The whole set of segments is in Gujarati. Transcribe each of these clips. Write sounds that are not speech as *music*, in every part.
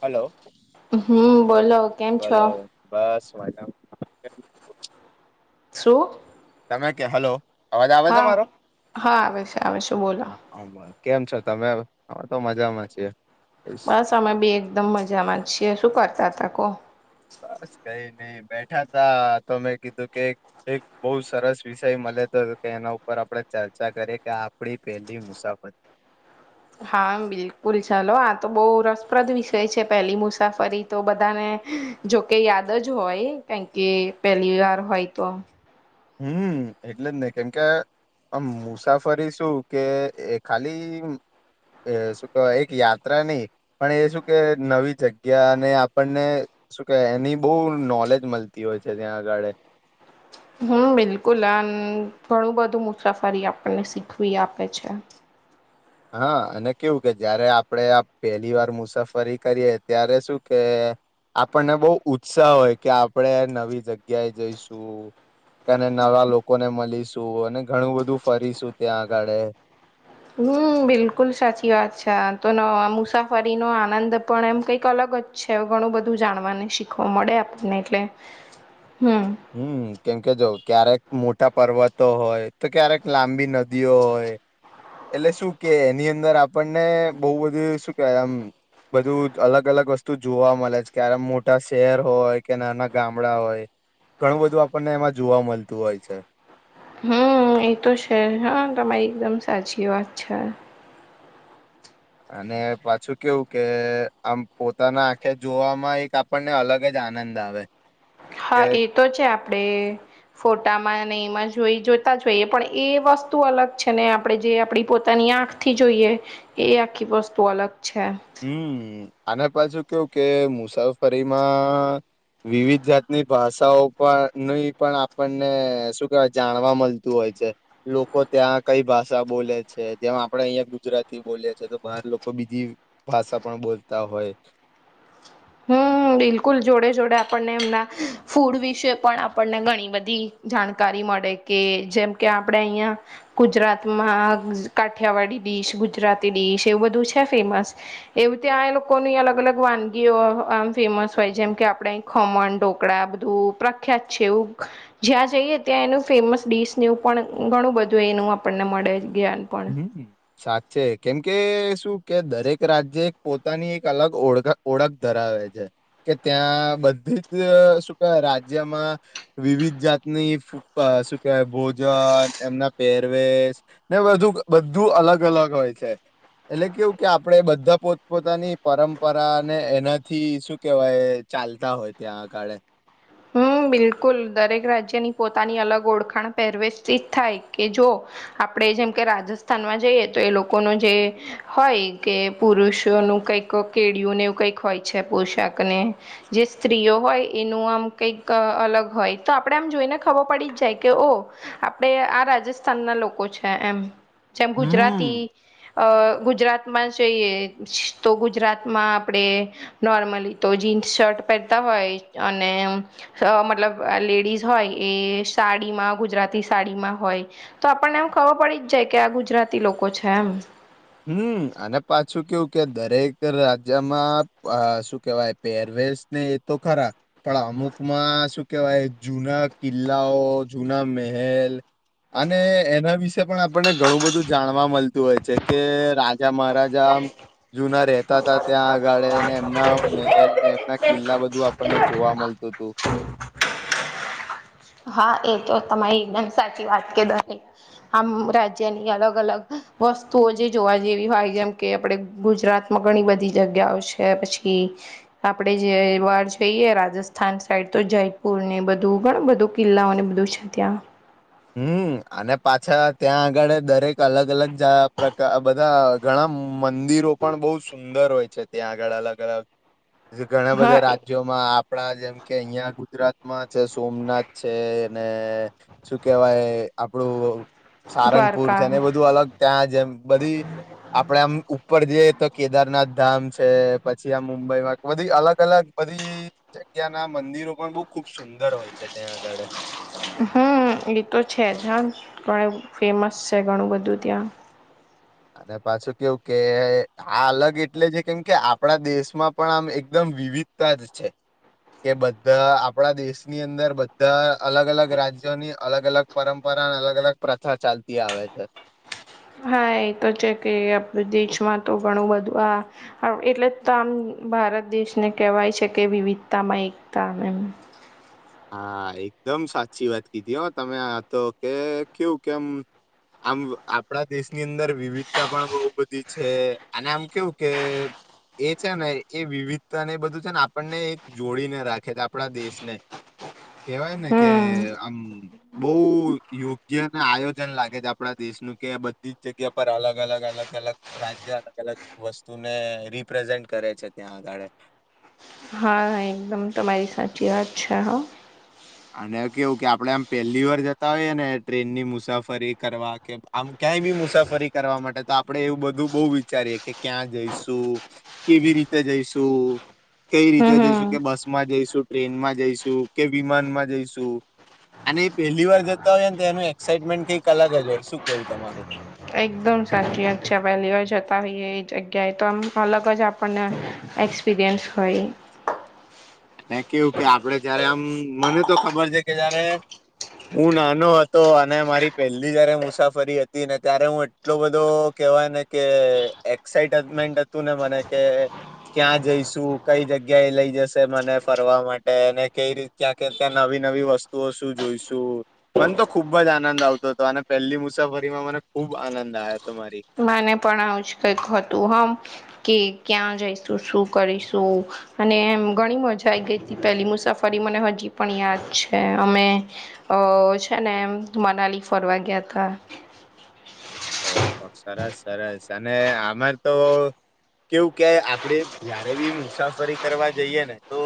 હલો હમ બોલો કેમ છો બોલો બસ મજામાં *inaudible* શું તમે કે હલો અવાજ આવે છે હા મારો હા આવે છે આવે છે બોલો કેમ છો તમે અમે તો મજામાં છીએ બસ અમે બી એકદમ મજામાં જ છીએ શું કરતાતા કો બસ કઈ નહી બેઠા તા તો મેં કીધું કે એક બહુ સરસ વિષય મળ તો એના ઉપર આપણે ચર્ચા કરીએ કે આપડી પેલી મુસાફરી હા બિલકુલ ચાલો આ તો બહુ રસપ્રદ વિષય છે પેલી મુસાફરી તો બધાને જોકે યાદ જ હોય કારણ કે પેલી વાર હોય તો હમ એટલે જ ને કેમ કે આમ મુસાફરી શું કે એ ખાલી એ શું કેવાય એક યાત્રા નહી પણ એ શું કે નવી જગ્યા અને આપણને શું કે એની બહુ નોલેજ મળતી હોય છે ત્યાં આગળ હમ બિલકુલ આ ઘણું બધું મુસાફરી આપણને શીખવી આપે છે હા અને કેવું કે જયારે આપડે આ પહેલી વાર મુસાફરી કરીએ ત્યારે શું કે આપણને બહુ ઉત્સાહ હોય કે આપણેે નવી જગ્યાએ જઈશું અને નવા લોકો ને મળીશું અને ઘણું બધું ફરીશું ત્યાં આગળ હમ બિલકુલ સાચી વાત છે આ તો મુસાફરીનોો આનંદ પણ એમ કઈક અલગ છે ઘણું બધું જાણવાને શીખવા મળે આપણને એટલે હમ હમ કેમ કે જો ક્યારેક મોટા પર્વતો હોય તો ક્યારેક લાંબી ન દ્યોય એટલે શું કે એની અંદર આપણને બહ બધું શું કેવાય આમ બધું અલગ અલગ વસ્તુ જોવા મળે છે ક્યારે મોટા શહેર હોય કે નાના ગામડા હોય ઘણું બધું આપણને એમાં જોવા મળતું હોય છે હમ એ તો છે હા તમારી એકદમ સાચી વાત છે અને પાછું કેવું કે આમ પોતાના આંખે જોવામાં એક આપણને અલગ જ આનંદ આવે કે હા એ તો છે આપડે ફોટામાં અને એમાં જ જોઈ જોતા જ જોઈએ પણ એ વસ્તુ અલગ છે ને આપણે જે આપડી પોતાની આંખ થી જોઈએ એ આખી વસ્તુ અલગ છે હમ અને પાછુ કેવું કે મુસાફરીમાં વિવિધ જાતની ભાષાઓ પણની પણ આપણને શું કેવાય જાણવા મળતું હોય લોકો ત્યાં કઈ ભાષા બોલે છે જેમ આપડે અહિયાં ગુજરાતી બોલે છે તો બહાર લોકો બીજી ભાષા પણ બોલતા હોય હમ બિલકુલ જોડે જોડે આપણને એમના ફૂડ વિશે પણ આપણને ઘણી બધી જાણકારી મળે કે જેમ કે આપડે અહિયાં ગુજરાતમાં કાઠિયાવાડી ડીશ ગુજરાત ગુજરાતી ડિશ એવું બધું છે ફેમસ એવી ત્યા એ લોકો ની અલગ અલગ વાનગી આમ ફેમસ હોય જેમ કે આપણેે ખમણ ઢોકળા બધું પ્રખ્યાત છે એવું જ્યાં જઈએ ત્યાં એનું ફેમસ ડીશ એવું પણ ઘણું બધું એનું આપણને મળે જ્ઞાન પણ હમ સાચે કેમકે શું કે દરેક રાજ્ય પોતાની એક અલગ ઓળખ ઓળખ ધરાવે છે કે ત્યાં બધી જ શું કવા રાજ્યમાં વિવિધ જાતની શું કેવાય ભોજન એમના પહેરવેશ ને બધું બધું અલગ અલગ હોય છે એટલે કેવું કે આપણે બધા પોતપોતાની પરંપરા ને એનાથી શું કેવાય ચાલતા હોય ત્યાં આગાડે હમ બિલકુલ દરેક રાજ્યની પોતાની અલગ ઓળખાણ પહેરવેશથી થાય કે જો આપણે આપ જેમ કે રાજસ્થાનમાં જઈએ તો એ લોકોનું જે હોય કે પુરુષોનું કઈક કેળયુંને એવું કઈક હોય છે પોશાકને જે સ્ત્રીઓ હોય એનું આમ કઈક અલગ હોય તો આપણે આમ જોઈને ખબર પડી જ જાય કે ઓ આપણેે આ રાજસ્થાનના છે એ જેમ હમ ગુજરાતી ગુજરાત જોઈએ તો ગુજરાતમાં આપડે નોર્મલી તો જીન્સ શર્ટ પહેરતા હો હોય અને અ મતલબ લેડીઝ હોય એ સાડીમાં ગુજરાતી સાડીમાં હોય તો આપણ ને એવું ખબર પડી જ જાય કે આ ગુજરાતી લોકો છે એમ હમ અને પાછું કેવું કે દરેક રાજ્યમાં શું કેહેવાય પેરવેસ ને એ તો ખરા અમુક માં શું કેહેવાય જૂના કિલ્લાઓ જૂના મહેલ અને એના વિશે પણ આપણને ઘણું બધું જાણવા મળતું હોય છે કે મહારાજા જુના રહેતા હતા ત્યાં આગળને એમના મહેલને એમના કિલ્લા બધું એમ આપણને જોવા મળતું *unintelligible* હા એ તો તમારી એકદમ સાચી વાત કે દરે આમ રાજ્યની અલગ અલગ વસ્તુઓ જે જોવા જેવી હોય કે આપણે ગુજરાત માં ઘણી બધી જગ્યાઓ છે પછી આપડે જે વાર જઈ રાજસ્થાન સાઈડ તો જયપુર ને બધું ઘણું બધું કિલ્લાઓને બધું છે ત્યાં હમ અને પાછા ત્યાં આગળ દરેક અલગ અલગ પ્રકાર બધા ઘણા મંદિરો પણ બહુ સુંદર હોય છે ત્યાં આગળ અલગ અલગ ઘણા બધા હા રાજ્યોમાં આપણા જેમ કે અહિયાં ગુજરાતમાં છે સોમનાથ છે અને કેવાય આપણું સારંગપુર દ્વારકા છે ને બધું અલગ ત્યાં જેમ બધી આપડે આમ ઉપર જઈએ તો કેદારનાથ ધામ છે પછી આ મુંબઈમાં બધી અલગ અલગ બધી જગ્યા ના મંદિરો પણ બહું ખુબ સુંદર હોય છે ત્યાં આગળ એતો છે હ ઘણું ફેમસ છે ઘણું બધું ત્યાં અને પાછું કેવું કે આ અલગ એટલે છે કેમ કે આપણા દેશમાં પણ આમ એકદમ વિવિધતા જ છે કે બધા આપણા દેશની અંદર બધા અલગ અલગ રાજ્યોની અલગ અલગ પરંપરા અલગ અલગ પ્રથા ચાલતી આવે છે હા એ તો છે કે આપ દેશમાં તો ઘણું બધું આ એટલે તો આમ ભારત દેશને કહેવાય છે કે વિવિધતા માં એકતા અને *inaudible* હા એકદમ સાચી વાત કીધી હો તમે આ તો કે કેવું કેમ આમ આપણા દેશની અંદર વિવિધતા પણ બહુ બધી છે અને આમ કેવું કે એ છે ને એ વિવિધતા ને એ બધું છે ને આપણને એક જોડીને રાખે છે આપણા દેશને *inaudible* કેવાય ને કે હમ આમ બહુ યોગ્ય ને આયોજન લાગે છે આપડા દેશનું કે બધી જગ્યા પર અલગ અલગ અલગ અલગ રાજ્ય અલગ અલગ વસ્તુને રિપ્રેઝેન્ટ કરે થયે છે ત્યાં આગાડે હા એકદમ તમારી સાચી વાત છે હો અને કેવું કે આપડે આમ પેલી વાર જતા હોઈએ ને ટ્રેન ની મુસાફરી કરવા કે આમ ક્યાંય બી મુસાફરી કરવા માટે તો આપડે એવું બધું બહુ વિચારીએ કે ક્યાં જઈશું કેવી રીતે જઈશું કઈ રીતે હમ જઈશું હમ કે બસમાં જઈશું ટ્રેનમાં જઈશું કે વિમાન માં જઈશું અને એ પહેલી વાર જતા હોય ને તો એનું એક્સાઈટમેન્ટ કઈક અલગ જ હોય શું કેવું તમારું એકદમ સાચી વાત છે પહેલી વાર જતા હોઈએ એ જગ્યાએ તો આમ અલગ જ આપણને એકક્સપીરયેન્સ હો એ કેવું કે આપડે જયારે આમ મને તો ખબર છે કે જયારે હું નાનો હતો અને મારી પહેલી જયારે મુસાફરી હતી ને ત્યારે હું એટલો બધો કેવાય ને કે એક્સાઈટમેન્ટ હતું ને મને કે ક્યાં જઈશું કઈ જગ્યા એ લઈ જશે મને ફરવા માટે અને કઈ રીત્યાં ત્યા નવી નવી વસ્તુઓ શું જોઈશું પણ તો ખુબ જ આનંદ આવતો હતો અને પેલી મુસાફરીમાં મને ખુબ આનંદ આવ્યો હતો મારી મને પણ આવું જ કઈક હતું હમ કે ક્યાં જઈશું શું કરીશું અને એમ ઘણી મજા આવી ગઈ હતી પહેલી મુસાફરી મને હજી પણ યાદ છે અમે અ છે ને એમ મનાલી ફરવા ગયા હતા *inaudible* ઓહ સરસ સરસ અને આમાર તો કેવું કેય આપડે જયારે બી મુસાફરી કરવા જઈએ ને તો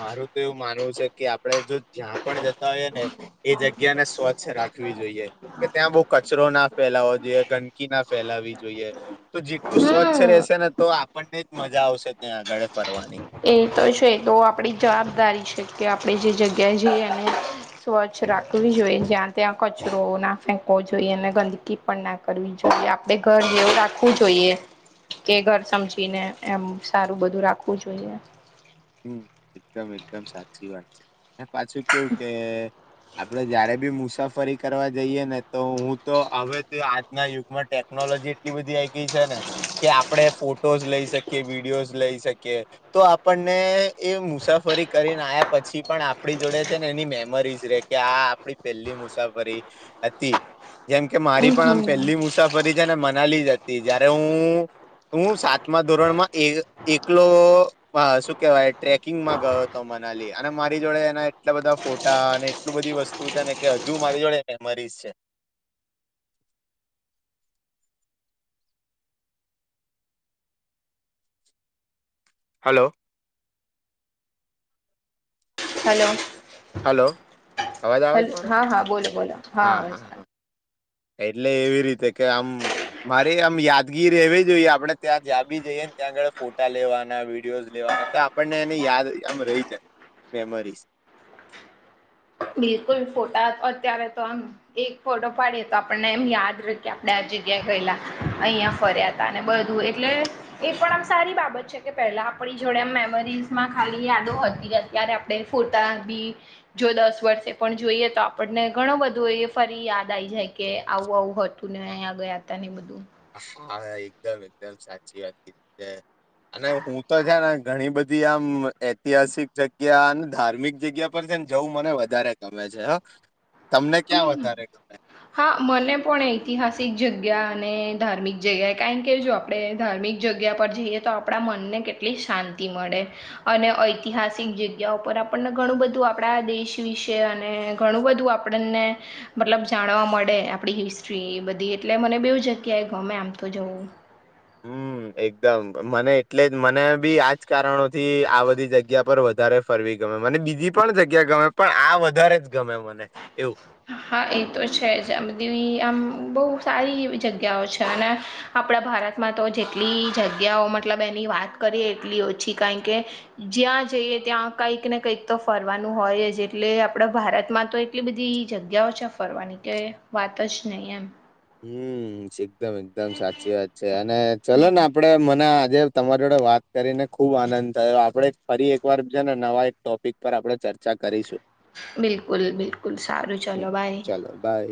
મારું તો એવું માનવુ છે કે ચઆપણે જો જ્યાં પણ જતા હોય ને એ જગ્યાને સ્વચ્છ રાખવી જોઈએ કે ત્યાં બહુ કચરો ના ફેલાવો ગંદકી ના ફેલાવી જોઈએ તો જેટલું સ્વચ્છ હમ રહેશે ને તો આપણને જ મજા આવશે આગળે ફરવાની એ તો છે તો આપડી જવાબદારી છે કે આપણે જે જગ્યા જઈ અને સ્વચ્છ રાખવી જોઈએ જ્યાં ત્યાં કચરો ના ફેંકવો જોઈએ અને ગંદકી પણ ના કરવી જોઈએ આપણેે ઘર જેવું રાખવું જોઈએ કે ઘર સમજીને એમ સારું બધું રાખવું. જોઈએ હમ એકદમ એકદમ સાચી વાત છે અને પાછું કેવું કે આપડે જયારે બી મુસાફરી કરવા જઈએ ને તો હું તો હવે આજના યુગમાં ટેકનો ટેકનોલોજી એટ બધી છે ને કે આપણે ફોટોસ લઈ શકીએ વિડીયોઝ લઈ શકીએ તો આપણે ને એ મુસાફરી કરીને આવ્યા પછી પણ આપણી જોડે છે ને એની મેમરીઝ રે કે આ પહેલી મુસાફરી હતી જેમકે મારી પણ આમ પેલી મુસાફરી ફરી જ ને મનાલી જતી જય્યારે હું હું સાતમા ધોરણમાં એક એકલો કેવાય ટ્રેકિંગમાં ગયો હતો મનાલી અને મારી જોડે એના એટલા બધા ફોટા અને એટલું બધી વસ્તુ કે હજુ મારી જોડે મેમરીઝ છે હલો હલો હલો અવાજ હલ આવે મારો હા હા બોલો બોલો હા આવે હા છે હા એટલે એવી રીતે કે આમ મારે આમ યાદગીર રહેેવી જોઈએ આપડે ત્યાં જ્યા બી જઈએ ત્યાં આગળ ફોટા લેવાના વિડીિયોઝ લેવાના તો આપણને એને યાદ આમ રહી જાય મેમરીઝ બિલકુલ ફોટા અત્યારે તો આમ એક ફોટો પાડીએ તો આપણને એમ યાદ રખએ આપડણે આજે ્યા ગલા અહં ફર્યા ત બધું એટલે એ પણ આમ સારી બાબત છે કે પેલા આપણી જોડેમ મેમરીઝમાં ખાલી યાદો હતી અત્યારે આપણે ફોટા બી જો દસ વર્ષે પણ જોઈએ તો આપણને ઘણું બધું એ ફરી યાદ આવીઈ જાય કે આવું આવું હતું અહીંયા ગયા હતા નહ બધું હાા એકદમ એકદમ સાચી વાત કીધ છે અને હું તો છે, ને ઘણી બધી આમ, ઐતિહાસિક જગ્યા અને ધાર્મિક જગ્યા પર છે ને જવું મને વધારે ગમે છે હ, તમને ક્યાં વધારે ગમે હા મને પણ ઐતિહાસિક જગ્યા અને ધાર્મિક જગ્યાએ કારણ કે જો આપણે ધાર્મિક જગ્યા જઈએ તો આપણા મનને કેટલી શાંતિ મળે અને ઐતિહાસિક જગ્યા પર આપણને ઘણું બધું આપણા દેશ વિશે અને ઘણું બધું આપણને મતલબ જાણવા મળે આપડી હિસ્ટ્રી બધી એટલે મને બહુ જગ્યાએ ગમે આમતું હત કજવ હમ એકદમ મને એટલે જ મને બી આજ કારણો થી આ બધી જગ્યા પર વધારે ફરવી ગયો મને બીજી પણ જગ્યા ગમે પણ આ વધારે જ ગમે મને એવું હા એ તો છે જ આ બધી આમ બહુ સારી એવી જગ્યાઓ છે અને આપણા ભારત ભારતમાં તો જેટલી જગ્યાઓ મતલબ એની વાત કરીએ એટલી ઓછી કારણ કે જ્યાં જઈ કે ત્યાં કઈક ને કઈક તો ફરવાનું હોય જ એટલે આપડા ભારતમાં તો એટલી બધી જગ્યાઓ છે ફરવાની કે વાત જ નહી એમ હમ એકદમ એકદમ સાચી વાત છે અને ચલો ને આપડે મના જ તમારી જોડે વાત કરીને ખુબ આનંદ થયો આપડે ફરી એક વાર છે ને નવા એક ટોપિક પર આપડ ચર્ચા કરીશું બિલકુલ બિલકુલ સારું હમ ચલોો ભાઈ ચાલો બાય.